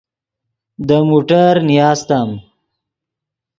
دے موٹر نیاستم